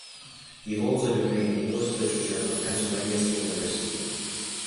He holds a degree in English Literature from Pennsylvania State University.